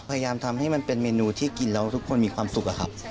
พยายามทำให้มันเป็นเมนูที่กินแล้วทุกคนมีความสุขอะครับ